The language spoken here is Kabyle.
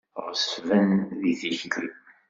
Ɣeṣben di tikli.